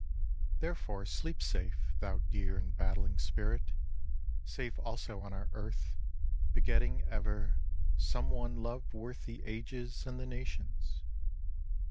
Therefore sleep safe, thou dear and battling spirit, Safe also on our earth, begetting ever Some one love worth the ages and the nations!